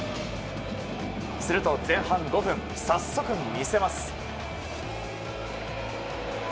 すると前半５分早速、みせます。